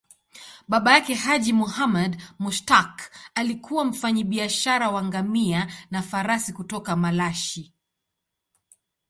Baba yake, Haji Muhammad Mushtaq, alikuwa mfanyabiashara wa ngamia na farasi kutoka Malashi.